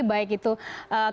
baik itu perang